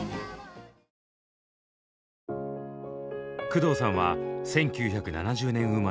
工藤さんは１９７０年生まれ。